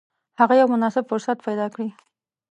هغه یو مناسب فرصت پیدا کړي.